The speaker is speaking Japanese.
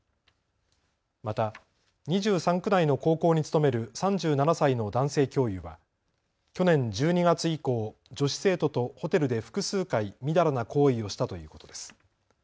また２３区内の高校に勤める３７歳の男性教諭は去年１２月以降、女子生徒とホテルで複数回みだらな行為をしたということです。